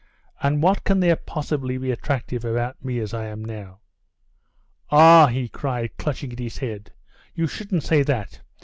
"And what can there possibly be attractive about me as I am now?..." "Ah!" he cried, clutching at his head, "you shouldn't say that!...